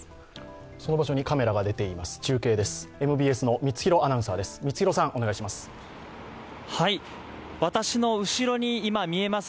その場所にカメラが出ています。